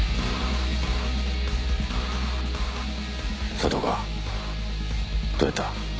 佐藤かどうやった？